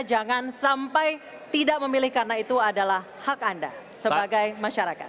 jangan sampai tidak memilih karena itu adalah hak anda sebagai masyarakat